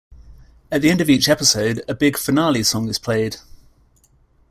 At the end of each episode, a big "finale" song is played.